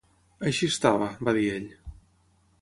"Així estava", va dir ell.